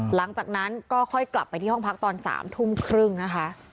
หลังจากนั้นก็ค่อยกลับไปที่ห้องพักตอน๓ทุ่มครึ่งนะคะ